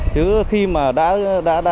chứ khi mà đã